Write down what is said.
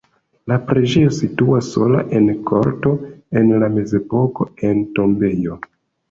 La preĝejo situas sola en korto (en la mezepoko en tombejo).